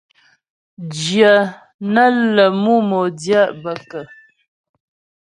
Jyə nə́ lə mú modjɛ' bə kə́ ?